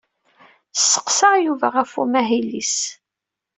Sseqsaɣ Yuba ɣef umahil-is.